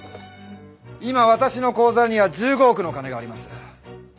今私の口座には１５億の金があります。